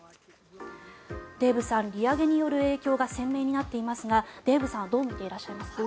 デーブさん、利上げによる影響が鮮明になっていますがデーブさんはどう見ていらっしゃいますか？